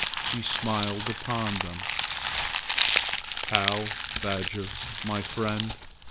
He smiled upon them. "How, badger, my friend!